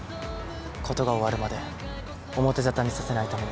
事が終わるまで表沙汰にさせないために。